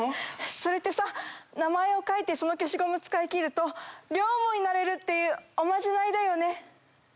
それってさ名前を書いてその消しゴムを使い切ると両思いになれるっていうおまじないだよね？